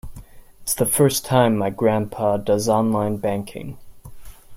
It's the first time my grandpa does online banking.